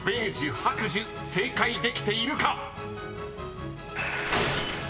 白寿正解できているか］